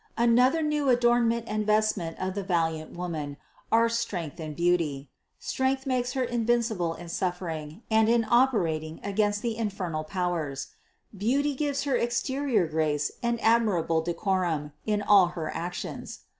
Another new adornment and vestment of the valiant Woman are strength and beauty: strength makes Her invincible in suffering and in operating against the infernal powers; beauty gives her exterior grace and admirable decorum in all her actions.